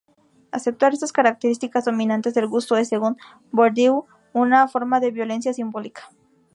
Aceptar estas características dominantes del gusto es, según Bourdieu, una forma de "violencia simbólica".